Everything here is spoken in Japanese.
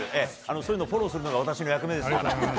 そういうのをフォローするのが私の役目ですから。